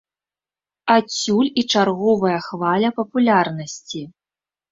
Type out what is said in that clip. Адсюль і чарговая хваля папулярнасці.